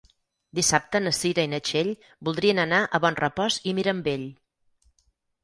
Dissabte na Cira i na Txell voldrien anar a Bonrepòs i Mirambell.